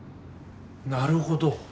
なるほど。